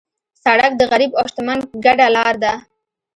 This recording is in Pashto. سړک د غریب او شتمن ګډه لار ده.